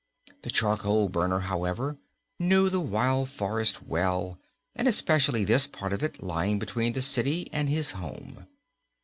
The charcoal burner, however, knew the wild forest well, and especially this part of it lying between the city and his home.